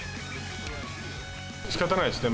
しかたないですね。